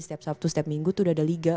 setiap sabtu setiap minggu tuh udah ada liga